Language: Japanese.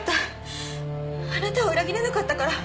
あなたを裏切れなかったから